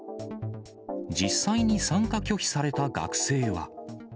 実際に参加拒否された学生は。